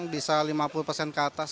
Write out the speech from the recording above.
bisa lima puluh persen ke atas